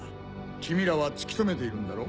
君らは突き止めているんだろう？